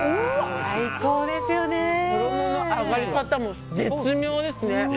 衣の揚がり方も絶妙ですね。